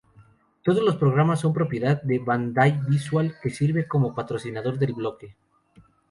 Todos los programas son propiedad de Bandai Visual que sirve como patrocinador del bloque.